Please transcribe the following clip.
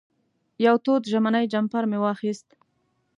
یو تود ژمنی جمپر مې واخېست.